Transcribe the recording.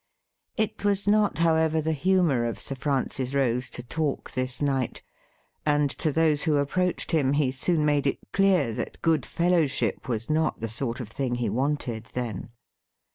It was not, however, the humour of Sir Francis Rose to talk this night, and to those who approached him he soon made it clear that good fellowship was not the *62 THE RIDDLE RING Sort of thing he wanted then.